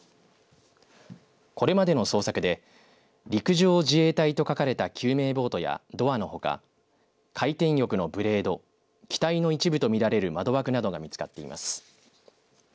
これまでの捜索で陸上自衛隊と書かれた救命ボートやドアのほか回転翼のブレード機体の一部と見られる窓枠などが見つかっています。